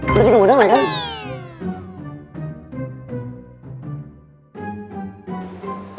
lo juga mau damai kan